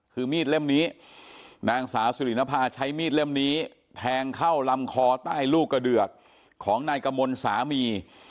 คือมีดเล่มนี้นางสาวสุรินภาใช้มีดเล่มนี้แทงเข้าลำคอใต้ลูกกระเดือกของนายกมลสามี